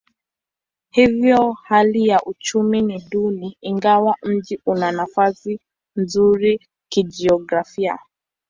Hivyo hali ya uchumi ni duni ingawa mji una nafasi nzuri kijiografia.